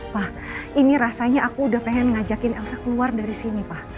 pak ini rasanya aku udah pengen ngajakin elsa keluar dari sini pak